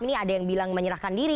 ini ada yang bilang menyerahkan diri